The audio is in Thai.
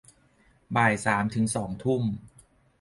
บ่ายสามถึงสองทุ่ม